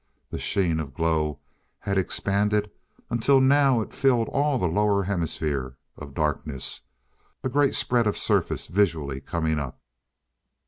The sheen of glow had expanded until now it filled all the lower hemisphere of darkness a great spread of surface visually coming up.